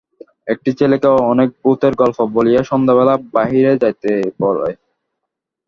একটি ছেলেকে অনেক ভূতের গল্প বলিয়া সন্ধ্যাবেলা বাহিরে যাইতে বল।